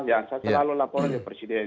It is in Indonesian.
ya saya selalu lapor ke presiden